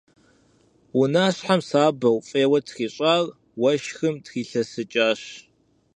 Унащхьэм сабэу, фӀейуэ трищӀар уэшхым трилъэсыкӀащ.